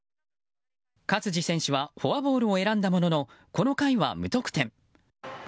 勝児選手はフォアボールを選んだものの、この回は無得点。